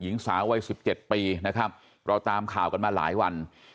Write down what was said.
หญิงสาววัย๑๗ปีนะครับเราตามข่าวกันมาหลายวัน